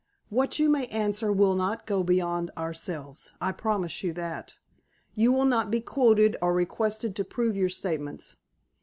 What you may answer will not go beyond ourselves. I promise you that. You will not be quoted, or requested to prove your statements.